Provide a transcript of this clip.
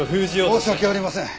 申し訳ありません。